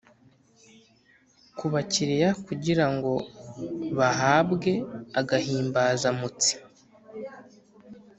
ku bakiliya kugira ngo bahabwe agahimbaza mutsi